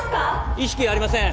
意識ありません。